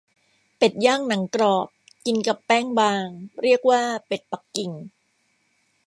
เป็ดย่างหนังกรอบ กินกับแป้งบาง เรียกว่าเป็ดปักกิ่ง